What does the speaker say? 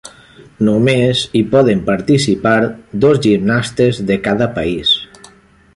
Només hi poden participar dos gimnastes de cada país.